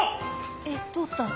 えっ通った。